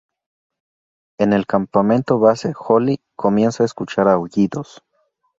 En el campamento base, Holly comienza a escuchar aullidos.